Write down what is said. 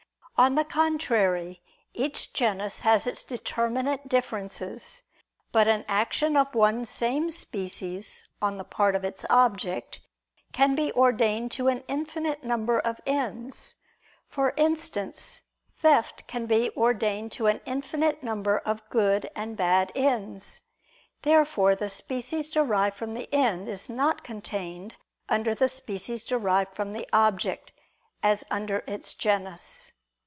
On the contrary, Each genus has its determinate differences. But an action of one same species on the part of its object, can be ordained to an infinite number of ends: for instance, theft can be ordained to an infinite number of good and bad ends. Therefore the species derived from the end is not contained under the species derived from the object, as under its genus.